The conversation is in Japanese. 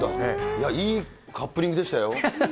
いや、いいカップリングでしたよ。